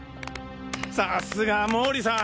さすが毛利さん。